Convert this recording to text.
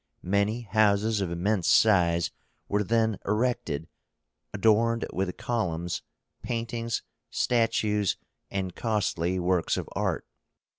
Many houses of immense size were then erected, adorned with columns, paintings, statues, and costly works of art.